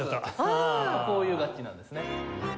こういう楽器なんですね。